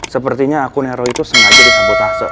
sepertinya akun hero itu sengaja disabotase